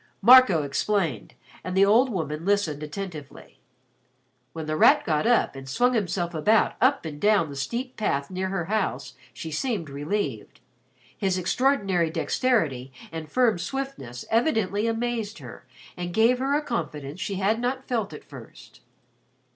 Marco explained and the old woman listened attentively. When The Rat got up and swung himself about up and down the steep path near her house she seemed relieved. His extraordinary dexterity and firm swiftness evidently amazed her and gave her a confidence she had not felt at first.